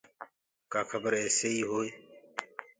ڪآ کبر ايسيئيٚ هوئي